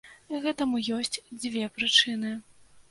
Гэтаму ёсць дзве прычыны.